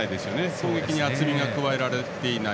攻撃的に厚みが加えられていない